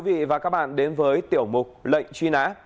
và các bạn đến với tiểu mục lệnh truy nã